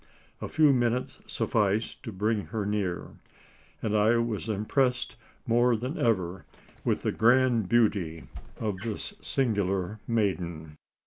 A few minutes sufficed to bring her near; and I was impressed more than ever with the grand beauty of this singular maiden.